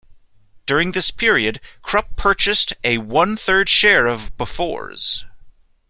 During this period Krupp purchased a one-third share of Bofors.